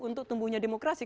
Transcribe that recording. untuk tumbuhnya demokrasi